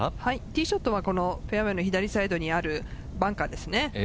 ティーショットはフェアウエーの左サイドにあるバンカーです。